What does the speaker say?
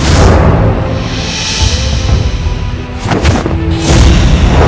hantu yang lainnya